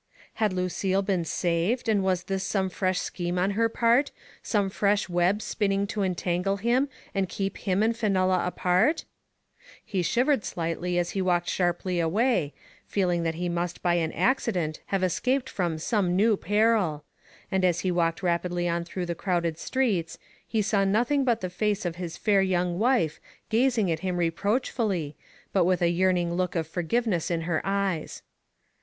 Had Lucille been saved, and was this some fresh scheme on her part, some fresh web spin ning to entangle him and keep him and Fenella apart? He shivered slightly as he walked sharply away, feeling that he must by an accident have escaped from some new peril ; and as he walked rapidly on through the crowded streets he saw nothing but the face of his fair young wife gazing Digitized by Google GEORGE MANVILLE FENN, 275 at him reproachfully, but with a yearning look of forgiveness in her eyes.